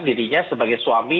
dirinya sebagai suami